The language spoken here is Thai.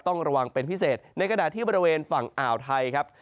ต้องระวังเป็นพิเศษในขณะที่บริเวณฝั่งอ่าวไทยครับ